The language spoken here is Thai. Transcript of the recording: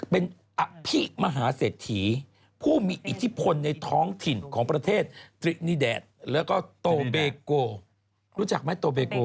เป็นอภิมหาเศรษฐีผู้มีอิทธิพลในท้องถิ่นของประเทศตรินีแดดแล้วก็โตเบโกรู้จักไหมโตเบโก